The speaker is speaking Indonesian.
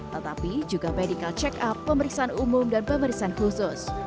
tetapi juga medical check up pemeriksaan umum dan pemeriksaan khusus